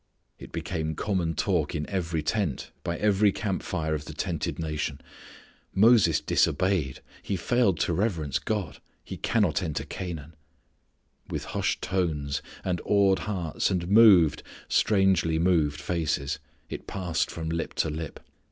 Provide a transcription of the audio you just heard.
It became common talk in every tent, by every camp fire of the tented nation. "Moses disobeyed, he failed to reverence God; he cannot enter Canaan." With hushed tones, and awed hearts and moved, strangely moved faces it passed from lip to lip.